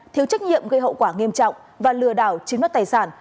thiếu trách nhiệm gây hậu quả nghiêm trọng và lừa đảo chiếm đất tài sản